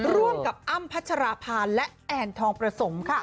ร่วมกับอ้ำพัชราภาและแอนทองประสมค่ะ